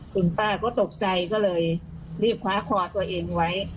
คุณป้าก็ตกใจก็เลยรีบคว้าคอตัวเองไว้